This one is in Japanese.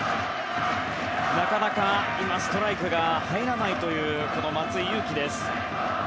なかなかストライクが入らないという松井裕樹。